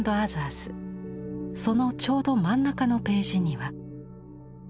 そのちょうど真ん中のページには。